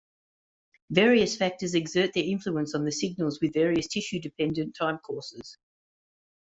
Various factors exert their influence on the signals with various tissue-dependent timecourses.